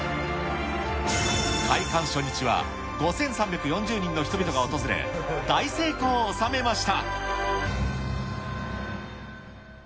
開館初日は５３４０人の人々が訪れ、大成功を収めました。